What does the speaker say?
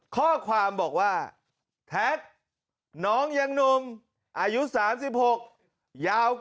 ข้อความบอกว่าแท็กน้องยังหนุ่มอายุ๓๖ยาว